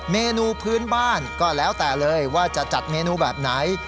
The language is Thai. เมนูพื้นบ้านก็แล้วแต่เลยว่าจะจัดเมนูแบบไหน